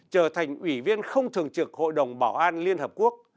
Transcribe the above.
trở thành ủy viên không thường trực hội đồng bảo an liên hợp quốc